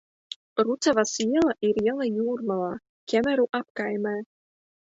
Rucavas iela ir iela Jūrmalā, Ķemeru apkaimē.